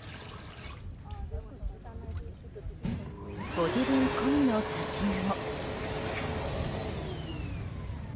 ご自分込みの写真も。